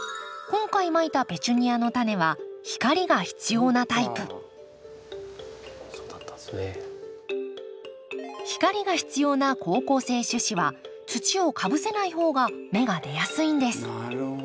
今回まいたペチュニアのタネは光が必要なタイプ光が必要な好光性種子は土をかぶせない方が芽が出やすいんです。